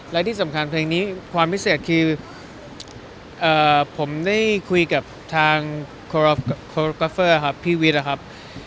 และที่สำคัญเพลงนี้ความพิเศษคือผมได้คุยกับทางโคกอฟเฟอร์ครับพี่วิทย์นะครับ